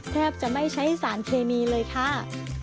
แทบจะไม่ใช้สารเคมีเลยค่ะ